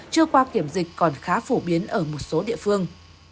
chưa qua kiểm dịch còn khá phổ biến ở một số địa phương